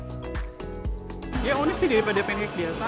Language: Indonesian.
ya unik sih daripada pancake biasa